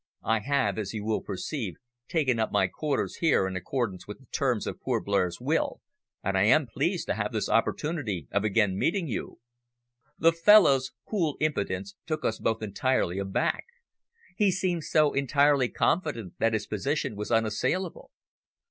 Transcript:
I have, as you will perceive, taken up my quarters here in accordance with the terms of poor Blair's will, and I am pleased to have this opportunity of again meeting you." The fellow's cool impudence took us both entirely aback. He seemed so entirely confident that his position was unassailable.